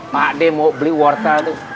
pak d mau beli wortel tuh